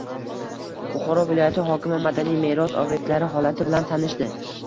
Buxoro viloyati hokimi madaniy meros ob’ektlari holati bilan tanishdi